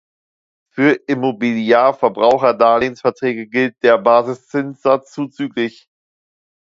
Für Immobiliar-Verbraucherdarlehensverträge gilt der Basiszinssatz zzgl.